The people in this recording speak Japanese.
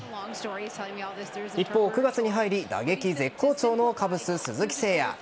一方、９月に入り打撃絶好調のカブス・鈴木誠也。